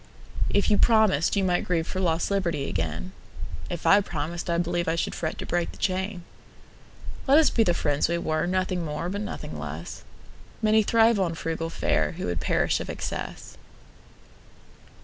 If you promised, you might grieveFor lost liberty again:If I promised, I believeI should fret to break the chain. Let us be the friends we were, Nothing more but nothing less:Many thrive on frugal fareWho would perish of excess.